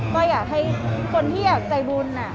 ก็อยากให้คนที่อยากใจบุญ